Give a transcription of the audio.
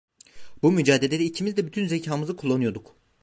Bu mücadelede ikimiz de bütün zekamızı kullanıyorduk.